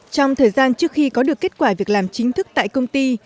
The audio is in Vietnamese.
trong thời gian trước khi có được kết quả việc làm chính thức tại công ty